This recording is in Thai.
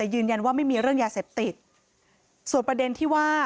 ส่วนประเด็นที่ว่า